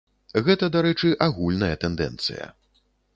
Гэта, дарэчы, агульная тэндэнцыя.